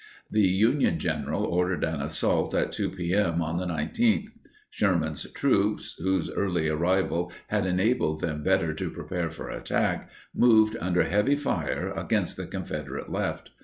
The Union general ordered an assault at 2 p. m. on the 19th. Sherman's troops, whose early arrival had enabled them better to prepare for attack, moved under heavy fire against the Confederate left.